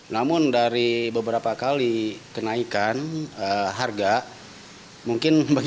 namun dari beberapa kali kenaikan harga